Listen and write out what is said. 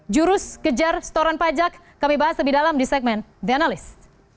jurus kejar setoran pajak kami bahas lebih dalam di segmen the analyst